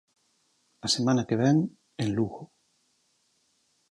A semana que vén, en Lugo.